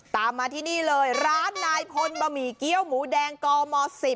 ตามมาที่นี่เลยร้านนายพลบะหมี่เกี้ยวหมูแดงกม๔